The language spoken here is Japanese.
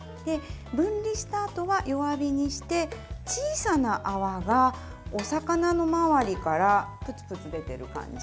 分離したあとは弱火にして小さな泡がお魚の周りからぷつぷつ出てる感じ